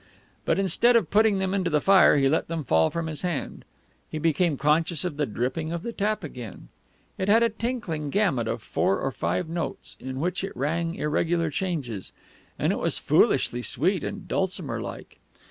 But instead of putting them into the fire he let them fall from his hand. He became conscious of the dripping of the tap again. It had a tinkling gamut of four or five notes, on which it rang irregular changes, and it was foolishly sweet and dulcimer like.